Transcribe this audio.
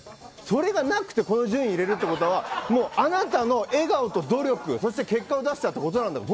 それがなくてこの順位に入れるのはあなたの笑顔と努力、そして結果を出したってことなんだよ